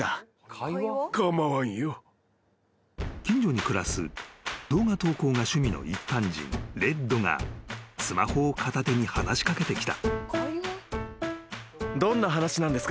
［近所に暮らす動画投稿が趣味の一般人レッドがスマホを片手に話し掛けてきた］